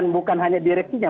bukan hanya direksinya